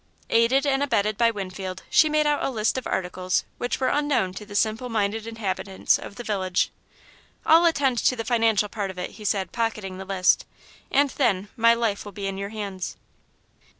Aided and abetted by Winfield, she made out a list of articles which were unknown to the simple minded inhabitants of the village. "I'll attend to the financial part of it," he said, pocketing the list, "and then, my life will be in your hands."